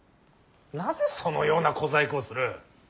なぜそのような小細工をする。